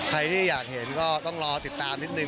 ใครที่อยากเห็นก็ต้องรอติดตามนิดนึ